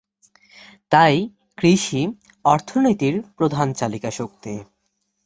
তাই কৃষি অর্থনীতির প্রধান চালিকা শক্তি।